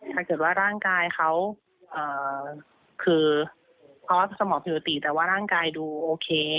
ถ้าเกิดว่าร่างกายเขาคือออสสมองผิดปกติแต่ว่าร่างกายดูโอเค